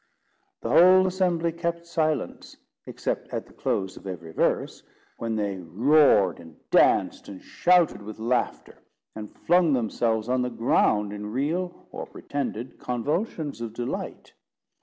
The whole assembly kept silence, except at the close of every verse, when they roared, and danced, and shouted with laughter, and flung themselves on the ground, in real or pretended convulsions of delight.